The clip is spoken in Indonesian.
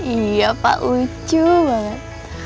iya pak lucu banget